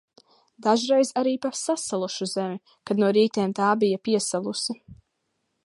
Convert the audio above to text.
Dažreiz arī pa sasalušu zemi, kad no rītiem tā bija piesalusi.